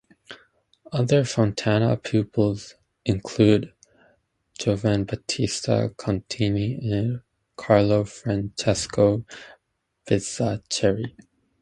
Other Fontana pupils include Giovan Battista Contini and Carlo Francesco Bizzaccheri.